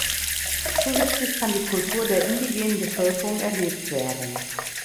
Zusätzlich kann die Kultur der indigenen Bevölkerung erlebt werden.